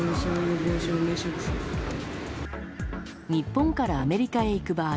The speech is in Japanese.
日本からアメリカへ行く場合